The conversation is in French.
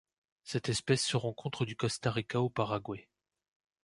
Cette espèce se rencontre du Costa Rica au Paraguay.